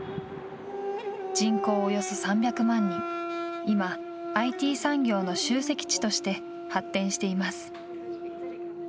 人口およそ３００万人、今、ＩＴ産業の集積地として発展しています。